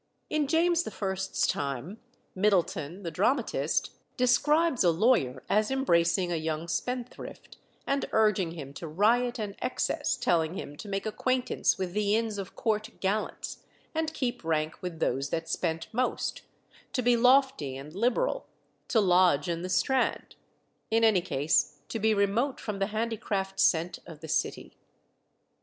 In James I.'s time, Middleton, the dramatist, describes a lawyer as embracing a young spendthrift, and urging him to riot and excess, telling him to make acquaintance with the Inns of Court gallants, and keep rank with those that spent most; to be lofty and liberal; to lodge in the Strand; in any case, to be remote from the handicraft scent of the City.